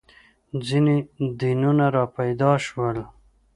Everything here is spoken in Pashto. • ځینې دینونه راپیدا شول.